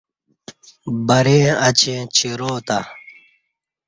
بریں اچیں چیراو تں